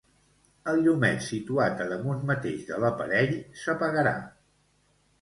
El llumet situat a damunt mateix de l'aparell s'apagarà.